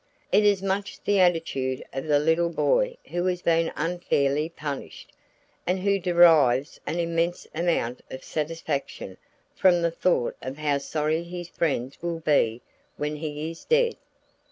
It is much the attitude of the little boy who has been unfairly punished, and who derives an immense amount of satisfaction from the thought of how sorry his friends will be when he is dead.